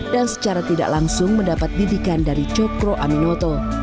dan secara tidak langsung mendapat didikan dari cokro aminoto